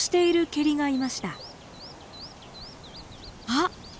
あっ！